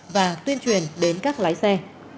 và tuyên truyền đến các lái xe